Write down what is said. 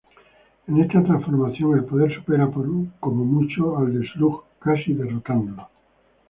En esta transformación el poder supera por mucho al de Slug casi derrotándolo.